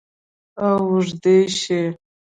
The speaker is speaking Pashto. او اوږدې شي